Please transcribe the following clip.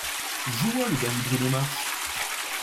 Joue-moi le dernier Bruno Mars